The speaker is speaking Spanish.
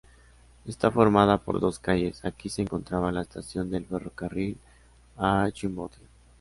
Está formada por dos calles, aquí se encontraba la estación del ferrocarril a Chimbote.